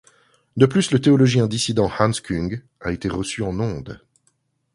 De plus, le théologien dissident Hans Küng a été reçu en ondes.